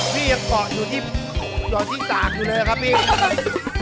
พี่ยังเกาะอยู่ที่ดอกที่ตากอยู่เลยครับพี่